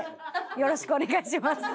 よろしくお願いします。